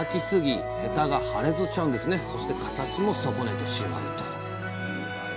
そして形も損ねてしまうと。